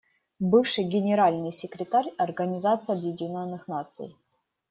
Бывший Генеральный секретарь Организации Объединенных Наций.